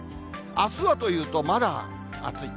あすはというと、まだ暑い。